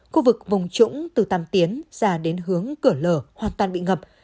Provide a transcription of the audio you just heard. khu vực vùng trũng từ tàm tiến ra đến hướng cửa lở hoàn toàn bị ngập